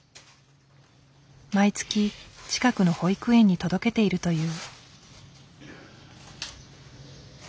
毎月近くの保育園に届けているという。